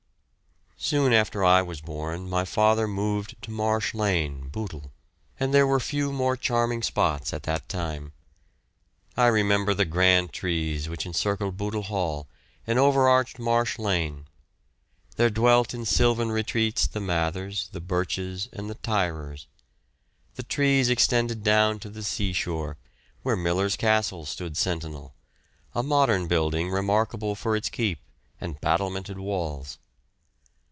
Soon after I was born my father removed to Marsh Lane, Bootle, and there were few more charming spots at that time. I remember the grand trees which encircled Bootle Hall and overarched Marsh Lane; here dwelt in sylvan retreats the Mathers, the Birches, and the Tyrers. The trees extended down to the sea shore, where Miller's Castle stood sentinel a modern building remarkable for its keep and battlemented walls.